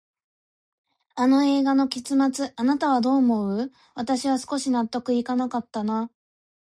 あの映画の結末、あなたはどう思う？私は少し納得いかなかったな。